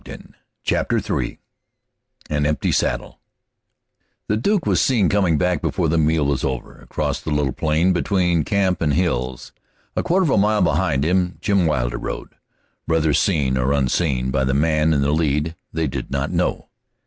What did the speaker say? ] CHAPTER III AN EMPTY SADDLE The Duke was seen coming back before the meal was over, across the little plain between camp and hills. A quarter of a mile behind him Jim Wilder rode, whether seen or unseen by the man in the lead they did not know.